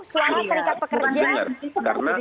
suara serikat pekerja